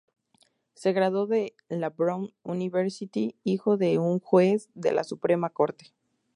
Se graduó de la Brown University, hijo de un Juez de la Suprema Corte.